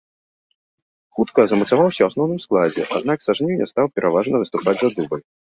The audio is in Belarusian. Хутка замацаваўся ў асноўным складзе, аднак са жніўня стаў пераважна выступаць за дубль.